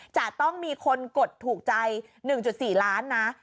จะต้องมีคนกดถูกใจ๑๔ล้านนะ